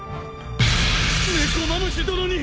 ネコマムシ殿に！